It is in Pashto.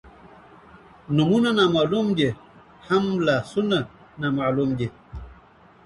نومــــــــــــــونه نامعلوم دي هم لاسونه نامعلوم دي